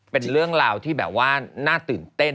เป็นเรื่องราวที่แบบว่าน่าตื่นเต้น